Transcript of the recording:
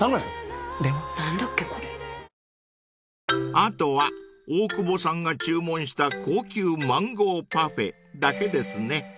［あとは大久保さんが注文した高級マンゴーパフェだけですね］